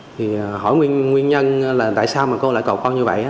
thì hỏi nguyên nhân là tại sao cô lại cột con như vậy